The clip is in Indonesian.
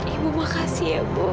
ibu makasih ya bu